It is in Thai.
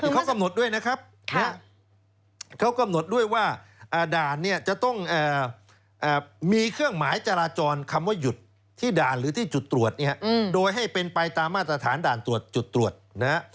เขากำหนดด้วยนะครับเขากำหนดด้วยว่าด่านเนี่ยจะต้องมีเครื่องหมายจราจรคำว่าหยุดที่ด่านหรือที่จุดตรวจเนี่ยโดยให้เป็นไปตามมาตรฐานด่านตรวจจุดตรวจนะฮะ